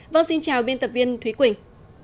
vâng xin chào biên tập viên thúy quỳnh